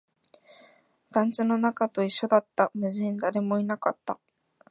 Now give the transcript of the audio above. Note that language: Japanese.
団地の中と一緒だった、無人、誰もいなかった